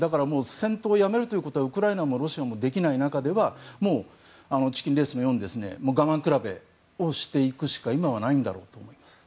戦闘をやめるということはウクライナもロシアもできない中ではチキンレースのように我慢比べをしていくしか今はないんだろうと思います。